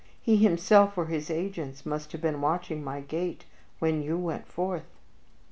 He himself, or his agents, must have been watching my gate when you went forth."